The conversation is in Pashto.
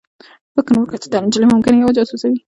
فکر مې وکړ چې دا نجلۍ ممکنه یوه جاسوسه وي